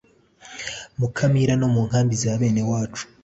Mukamira no mu Nkambi za bene wacu